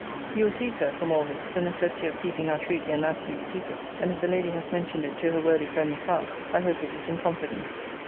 'You will see, Sir, from all this, the necessity of keeping our treaty an absolute secret; and if the lady has mentioned it to her worthy friend Miss Howe, I hope it is in confidence.'